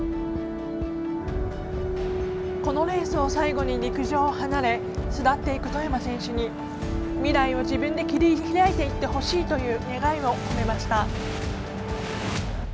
このレースを最後に陸上を離れ巣立っていく外山選手に未来を自分で切り開いていってほしいという願いを込めました。